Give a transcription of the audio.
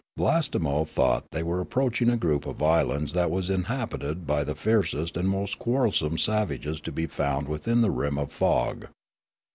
Blastemo thought they were approaching a group of islands that was inhabited by the fiercest and most quarrelsome savages to be found within the rim of fog.